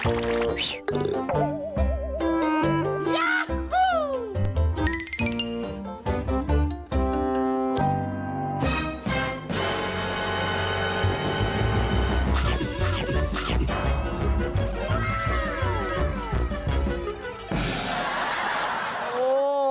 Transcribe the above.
โอ้โห